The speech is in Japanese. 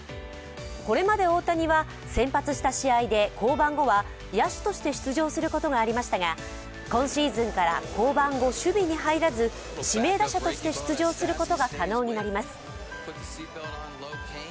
これまで大谷は、先発した試合で降板後は野手として出場することがありましたが今シーズンから降板後守備に入らず指名打者として出場することが可能になります。